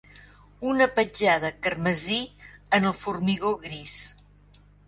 Una petjada carmesí en el formigó gris!